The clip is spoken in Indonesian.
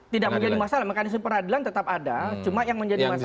tidak menjadi masalah makanan penadilan tetap ada cuma yang menjadi masalah adalah